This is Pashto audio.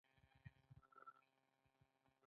یو بالغ انسان څو دایمي غاښونه لري